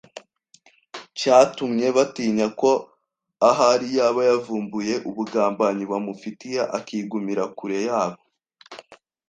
cyatumye batinya ko ahari yaba yavumbuye ubugambanyi bamufitiye akigumira kure yabo